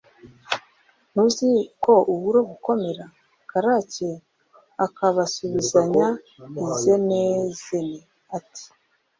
ntuzi ko uburo bukomera?” Karake akabasubizanya izenezene, ati: